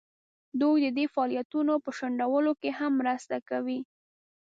دوی د دې فعالیتونو په شنډولو کې هم مرسته کوي.